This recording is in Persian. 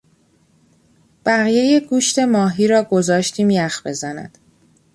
بقیهی گوشت ماهی را گذاشتیم یخ بزند.